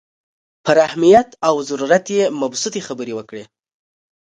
پر اهمیت او ضرورت یې مبسوطې خبرې وکړې.